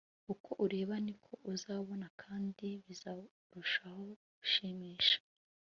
Uko ureba niko uzabona kandi bizarushaho gushimisha